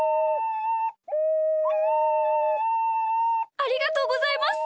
ありがとうございます！